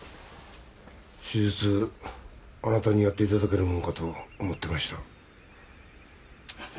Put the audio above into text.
手術あなたにやっていただけるものかと思ってました